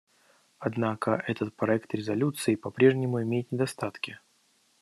Однако этот проект резолюции по-прежнему имеет недостатки.